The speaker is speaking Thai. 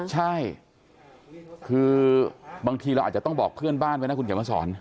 ใช่คือบางทีเราอาจจะต้องบอกเพื่อนบ้านไว้นะคุณเขียนมาสอน